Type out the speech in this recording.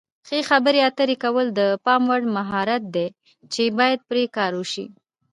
ښې خبرې اترې کول د پام وړ مهارت دی چې باید پرې کار وشي.